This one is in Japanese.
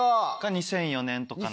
２００４年とかなので。